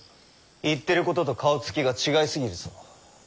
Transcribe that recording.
言ってることと顔つきが違い過ぎるぞ。